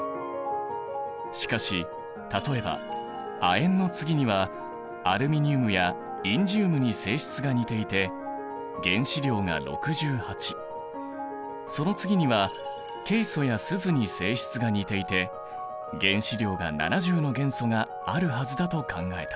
しかし例えば亜鉛の次にはアルミニウムやインジウムに性質が似ていて原子量が６８その次にはケイ素やスズに性質が似ていて原子量が７０の元素があるはずだと考えた。